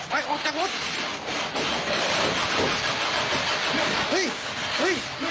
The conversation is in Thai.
เฮ้ยออกมาเริ่ม